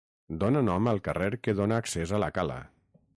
Dóna nom al carrer que dóna accés a la cala.